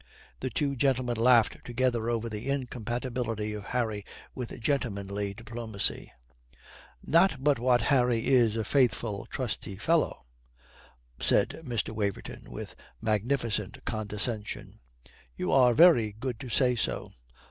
The two gentlemen laughed together over the incompatibility of Harry with gentlemanly diplomacy. "Not but what Harry is a faithful, trusty fellow," said Mr. Waverton, with magnificent condescension. "You are very good to say so.